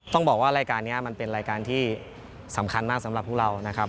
ต้องบอกว่ารายการนี้มันเป็นรายการที่สำคัญมากสำหรับพวกเรานะครับ